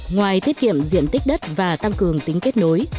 ngoài tiết kiệm diện tích đất và tăng cường tính kết nối